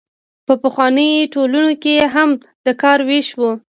په پخوانیو ټولنو کې هم د کار ویش و.